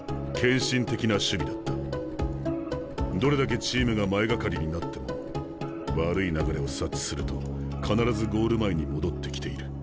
どれだけチームが前がかりになっても悪い流れを察知すると必ずゴール前に戻ってきている。